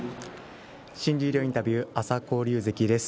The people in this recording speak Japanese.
新十両インタビューは朝紅龍関です。